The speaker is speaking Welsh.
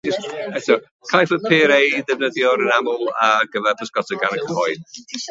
Caiff y pier ei ddefnyddio'n aml ar gyfer pysgota gan y cyhoedd.